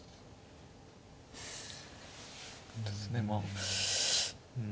ですねまあうん。